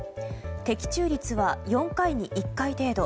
的中率は４回に１回程度。